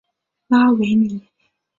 拉维尼。